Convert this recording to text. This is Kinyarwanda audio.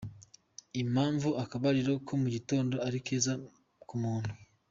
Impamvu akabariro ka mugitondo ari keza ku muntu:.